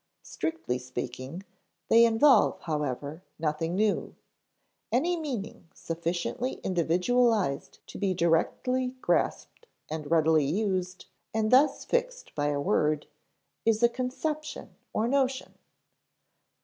Strictly speaking, they involve, however, nothing new; any meaning sufficiently individualized to be directly grasped and readily used, and thus fixed by a word, is a conception or notion.